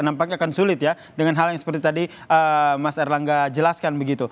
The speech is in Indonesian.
nampaknya akan sulit ya dengan hal yang seperti tadi mas erlangga jelaskan begitu